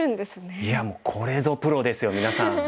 いやもうこれぞプロですよみなさん。